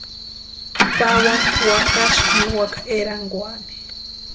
Pawani wakasï niwaka erankwaani.